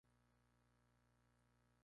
Cuenta con el aeropuerto de Ust-Kut.